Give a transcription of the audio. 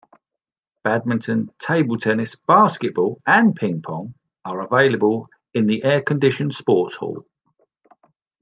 Badminton, table tennis, basketball and ping pong are available in the air-conditioned sports hall.